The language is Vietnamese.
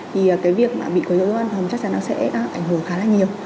thì cái việc bị quấy dối văn phòng chắc chắn nó sẽ ảnh hưởng khá là nhiều